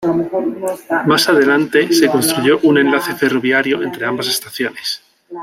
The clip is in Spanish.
Más adelante se construyó un enlace ferroviario entre ambas estaciones.